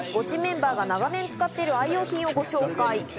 ゴチメンバーが長年使っている愛用品をご紹介。